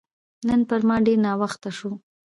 نن پر ما ډېر ناوخته شو